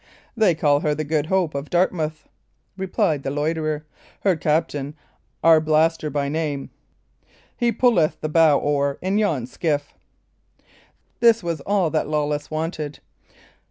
"They call her the Good Hope, of Dartmouth," replied the loiterer. "Her captain, Arblaster by name. He pulleth the bow oar in yon skiff." This was all that Lawless wanted.